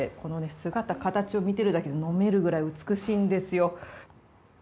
姿形を見てるだけで飲めるくらい美しいんですよ。